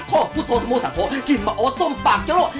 โทษผู้โทสมสังโภกิมะโอดส้มปากโจรก